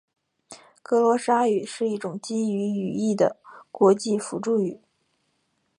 格罗沙语是一种基于语义的国际辅助语。